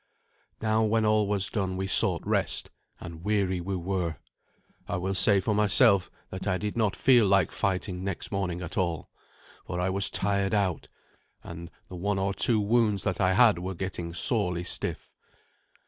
Now when all was done we sought rest, and weary we were. I will say for myself that I did not feel like fighting next morning at all, for I was tired out, and the one or two wounds that I had were getting sorely stiff.